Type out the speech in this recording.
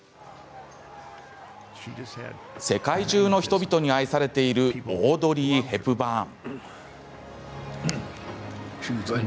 世界中の人々に愛されているオードリー・ヘプバーン。